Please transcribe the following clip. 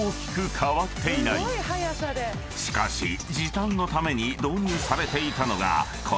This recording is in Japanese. ［しかし時短のために導入されていたのがこの］